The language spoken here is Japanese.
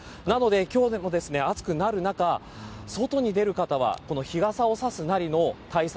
今日でも暑くなる中、外に出る中日傘を差すなりの対策